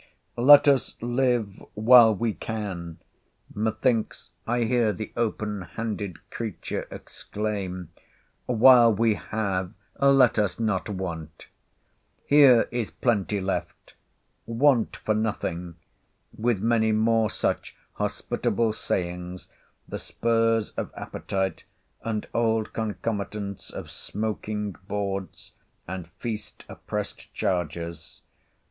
"Let us live while we can," methinks I hear the open handed creature exclaim; "while we have, let us not want," "here is plenty left;" "want for nothing"—with many more such hospitable sayings, the spurs of appetite, and old concomitants of smoaking boards, and feast oppressed chargers.